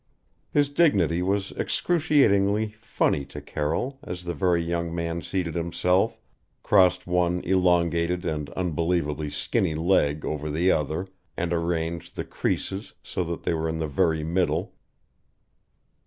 His dignity was excruciatingly funny to Carroll as the very young man seated himself, crossed one elongated and unbelievably skinny leg over the other and arranged the creases so that they were in the very middle.